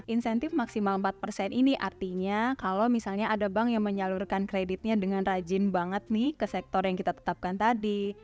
insentif maksimal empat persen ini artinya kalau misalnya ada bank yang menyalurkan kreditnya dengan rajin banget nih ke sektor yang kita tetapkan tadi